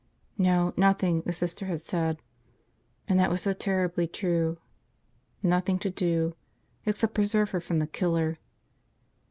No, nothing, the Sister had said. And that was so terribly true. Nothing to do – except preserve her from the killer.